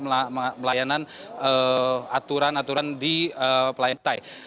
untuk melayanan aturan aturan di pelayanan lantai